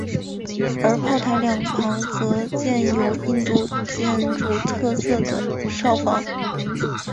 而炮台两旁则建有印度建筑特色的哨房。